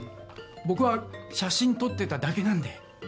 僕は写真撮ってただけなんで。